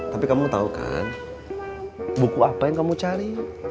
tapi kamu tahu kan buku apa yang kamu cari